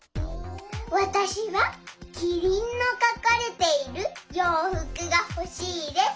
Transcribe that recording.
わたしはキリンのかかれているようふくがほしいです。